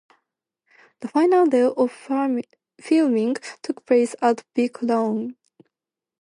The final day of filming took place at Vic's lounge.